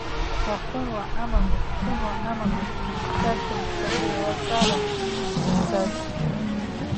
Уахынла амамызт, ҽынла амамызт, шәақь-мца еилаҵаран изҿӡаз.